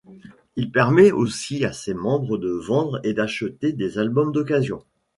Il permet aussi à ses membres de vendre et d'acheter des albums d'occasion.